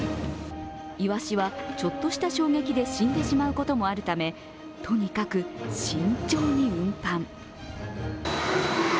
イワシはちょっとした衝撃で死んでしまうこともあるためとにかく慎重に運搬。